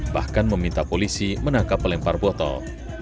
bahkan meminta polisi menangkap pelempar botol